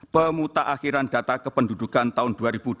pemuta akhiran data kependudukan tahun dua ribu dua puluh tiga